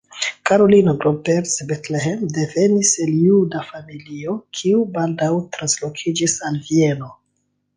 Caroline Gomperz-Bettelheim devenis el juda familio, kiu baldaŭ translokiĝis al Vieno.